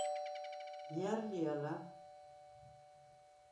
ჲა̈რ ლი ალა?